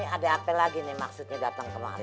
nih ada apel lagi nih maksudnya dateng kemari